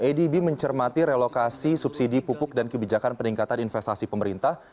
adb mencermati relokasi subsidi pupuk dan kebijakan peningkatan investasi pemerintah